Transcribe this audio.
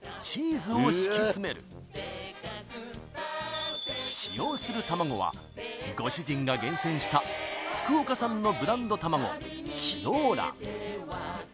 チーズを敷き詰める使用する卵はご主人が厳選した福岡産のブランド卵輝黄卵